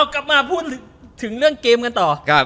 กลับมาพูดถึงเรื่องเกมกันต่อ